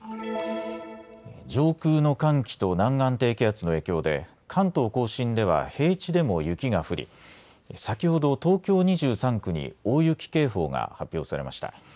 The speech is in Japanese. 上空の寒気と南岸低気圧の影響で関東甲信では平地でも雪が降り先ほど東京２３区に大雪警報が発表されました。